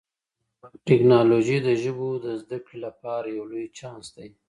ټکنالوژي د ژبو د زده کړې لپاره یو لوی چانس دی.